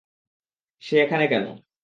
সে এখানে কেন?